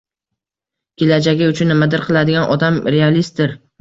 Kelajagi uchun nimadir qiladigan odam realistdir